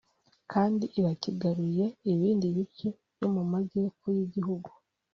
kandi irakigaruriye ibindi bice byo mu majyepfo y’igihugu